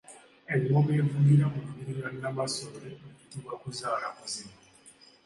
Engoma evugira mu lubiri lwa Namasole eyitibwa Kuzaalakuzibu.